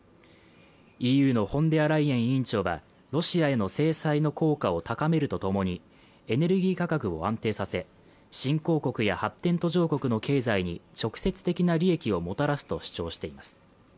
ＥＵのフォンデアライエン委員長がロシアへの制裁の効果を高めるとともにエネルギー価格を安定させ新興国や発展途上国の経済に直接的な利益をもたらすと主張しています